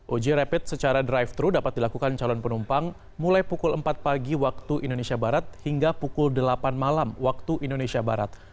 uji rapid secara drive thru dapat dilakukan calon penumpang mulai pukul empat pagi waktu indonesia barat hingga pukul delapan malam waktu indonesia barat